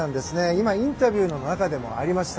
今、インタビューの中でもありました。